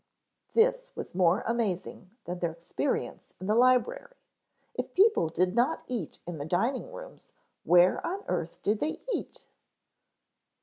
This was more amazing than their experience in the library. If people did not eat in the dining rooms where on earth did they eat?